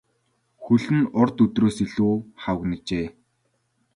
Хөл нь урд өдрөөс илүү хавагнажээ.